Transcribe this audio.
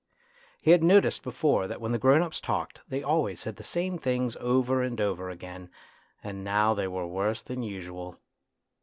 He had noticed before that when the grown ups talked they always said the same things over and over again, and now they were worse than usual.